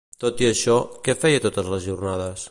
Tot i això, què feia totes les jornades?